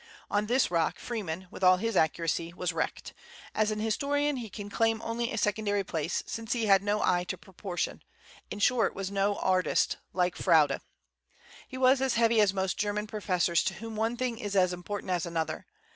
On this rock Freeman, with all his accuracy, was wrecked; as an historian he can claim only a secondary place, since he had no eye to proportion, in short, was no artist, like Froude. He was as heavy as most German professors, to whom one thing is as important as another.